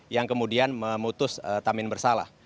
yang kemudian memutus tamin bersalah